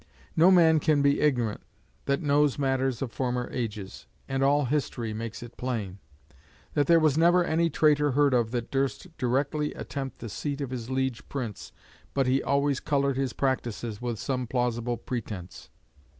No man can be ignorant, that knows matters of former ages and all history makes it plain that there was never any traitor heard of that durst directly attempt the seat of his liege prince but he always coloured his practices with some plausible pretence.